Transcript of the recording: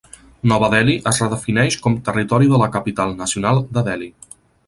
Nova Delhi es redefineix com Territori de la Capital Nacional de Delhi.